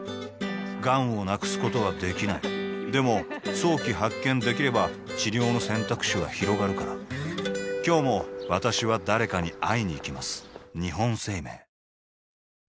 がんを無くすことはできないでも早期発見できれば治療の選択肢はひろがるから今日も私は誰かに会いにいきます